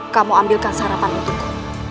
kamu ambilkan sarapan untukku